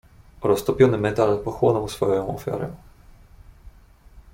"Roztopiony metal pochłonął swoją ofiarę."